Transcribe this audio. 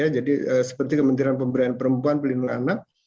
jadi seperti kementerian pemberian perempuan pelindung anak